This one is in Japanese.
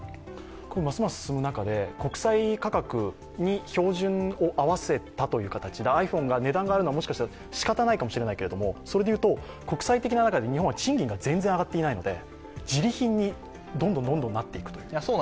ますます進む中で、国際価格に標準を合わせたという形、ｉＰｈｏｎｅが値段が上がるのはしかたないかもしれないけれども、それで言うと国際的な中で日本は全然賃金が上がっていないのでじり貧にどんどんなっていくと？